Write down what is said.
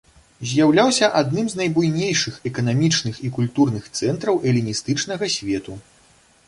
З'яўляўся адным з найбуйнейшых эканамічных і культурных цэнтраў эліністычнага свету.